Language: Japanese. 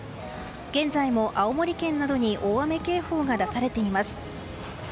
現在も青森県などに大雨警報が出されています。